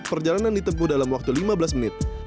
perjalanan ditempuh dalam waktu lima belas menit